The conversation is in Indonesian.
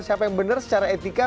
siapa yang benar secara etika